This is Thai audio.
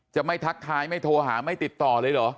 ไม่ทักทายไม่โทรหาไม่ติดต่อเลยเหรอ